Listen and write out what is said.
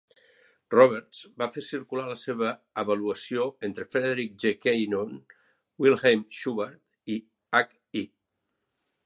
Roberts va fer circular la seva avaluació entre Frederic G. Kenyon, Wilhelm Schubart i H. I.